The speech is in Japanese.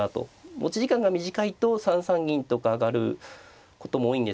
持ち時間が短いと３三銀とか上がることも多いんですけど